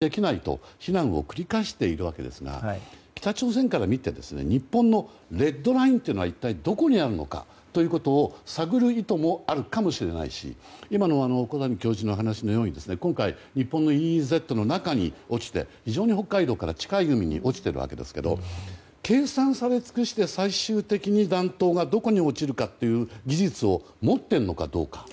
それと、もう１つはミサイルが発射されるたびに日本政府は厳重抗議をしたり容認できないと非難を繰り返しているわけですが北朝鮮から見て日本のレッドラインというのは一体どこにあるのかということを探る意図もあるかもしれないし今の小谷教授の話のように今回、日本のＥＥＺの中に落ちて非常に北海道から近い海に落ちているわけですけど計算され尽くして最終的に弾頭がどこに落ちるかという技術を持っているのかどうか。